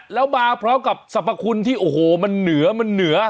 แล้วมาเพราะกับสรรพคุณที่โอ้โหมันเหนือ